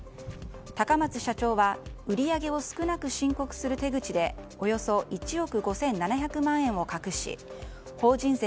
高松社長は売り上げを少なく申告する手口でおよそ１億５７００万円を隠し法人税